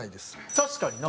確かにな。